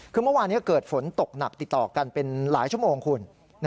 คือเมื่อวานนี้เกิดฝนตกหนักติดต่อกันเป็นหลายชั่วโมงคุณ